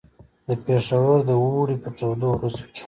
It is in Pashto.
د پېښور د اوړي په تودو ورځو کې.